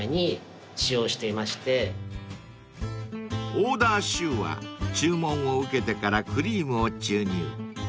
［オーダーシューは注文を受けてからクリームを注入］